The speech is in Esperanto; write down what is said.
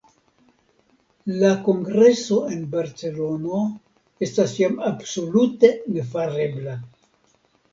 La kongreso en Barcelono estas jam absolute nefarebla.